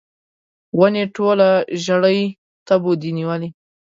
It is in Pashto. ونې ټوله ژړۍ تبو دي نیولې